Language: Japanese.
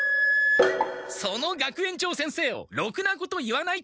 その学園長先生を「ろくなこと言わない」とは何事だ！